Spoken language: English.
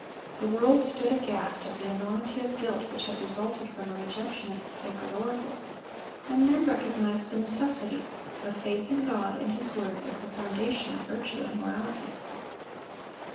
The world stood aghast at the enormity of guilt which had resulted from a rejection of the Sacred Oracles, and men recognized the necessity of faith in God and His word as the foundation of virtue and morality.